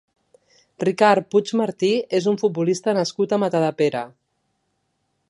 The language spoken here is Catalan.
Ricard Puig Martí és un futbolista nascut a Matadepera.